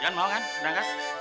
jon mau kan berangkat